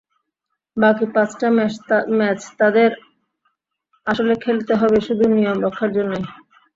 বাকি পাঁচটা ম্যাচ তাদের আসলে খেলতে হবে শুধু নিয়ম রক্ষার জন্যই।